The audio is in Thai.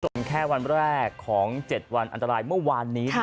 แค่วันแรกของ๗วันอันตรายเมื่อวานนี้